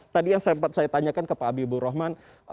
tadi yang sempat saya tanyakan ke pak habibur rahman